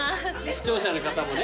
視聴者の方もね。